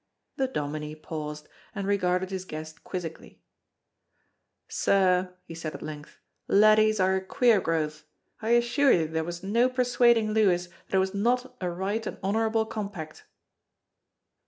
The dominie paused, and regarded his guest quizzically. "Sir," he said at length, "laddies are a queer growth; I assure you there was no persuading Lewis that it was not a right and honorable compact."